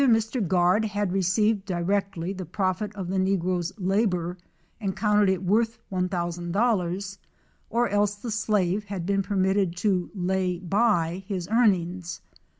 Either Mr. Guard had re ceived directly the profit of the negro's labor and counted it worth $1,000 00, or else the slave had been permitted to "lay by" his earn ings.